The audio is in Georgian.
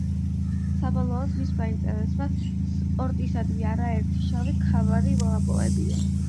საბოლოოდ, მისმა ინტერესმა სპორტისადმი არაერთი შავი ქამარი მოაპოვებინა.